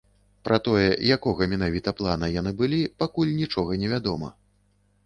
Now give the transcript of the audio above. Пра тое, якога менавіта плана яны былі, пакуль нічога не вядома.